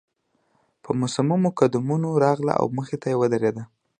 په مصممو قدمونو راغله او مخې ته يې ودرېده.